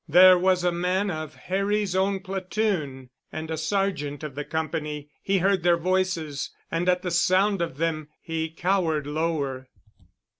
There was a man of Harry's own platoon and a sergeant of the company. He heard their voices and at the sound of them he cowered lower.